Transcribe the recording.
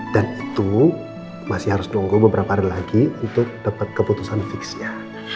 dan itu masih harus nunggu beberapa hari lagi untuk dapat keputusan fixnya